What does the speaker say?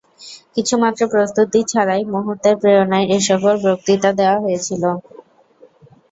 কিছুমাত্র প্রস্তুতি ছাড়াই মু্হূর্তের প্রেরণায় এ-সকল বক্তৃতা দেওয়া হয়েছিল।